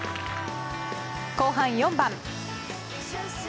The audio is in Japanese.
後半４番。